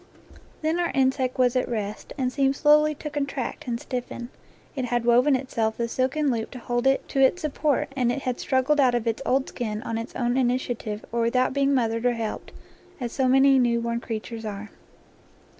Then our insect was at rest, and seemed slowly to contract and stiffen. It had woven itself the silken loop to hold it to its support, and it had struggled out of its old skin on its own initia tive or without being mothered or helped, as se many newborn creatures are.